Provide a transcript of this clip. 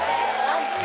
ＯＫ